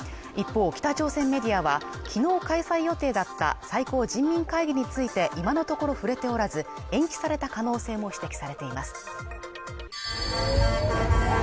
一方北朝鮮メディアは昨日開催予定だった最高人民会議について今のところ触れておらず延期された可能性も指摘されています